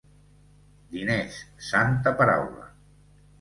Diners, santa paraula!